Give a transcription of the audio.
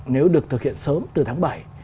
nếu được thực hiện sớm từ tháng bảy